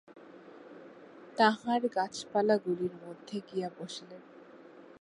তাঁহার গাছপালাগুলির মধ্যে গিয়া বসিলেন।